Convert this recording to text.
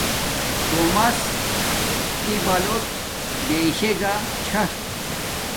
تومس تی بلوڎ بیشے گا چھا